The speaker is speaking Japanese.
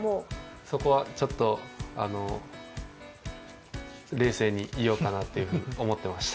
そこはちょっと冷静にいようかなと思ってました。